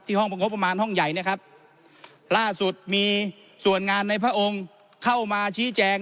ห้องประงบประมาณห้องใหญ่นะครับล่าสุดมีส่วนงานในพระองค์เข้ามาชี้แจง